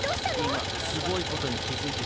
いますごいことにきづいてしまった。